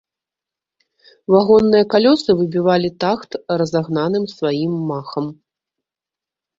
Вагонныя калёсы выбівалі тахт разагнаным сваім махам.